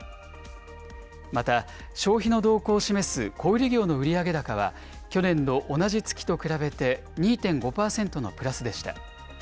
また、消費の動向を示す小売り業の売上高は、去年の同じ月と比べて２．５％のプラスでした。